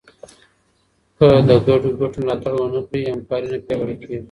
که د ګډو ګټو ملاتړ ونه کړې، همکاري نه پیاوړې کېږي.